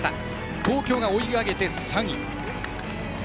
東京が追い上げて３位。